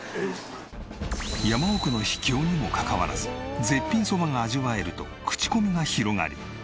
山奥の秘境にもかかわらず絶品そばが味わえると口コミが広がり